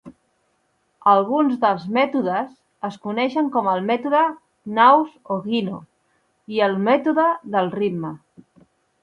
Alguns dels mètodes es coneixen com al mètode Knaus-Ogino i el mètode del ritme.